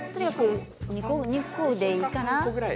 ２個でいいかな。